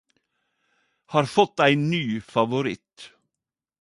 Har fått ein ny favoritt!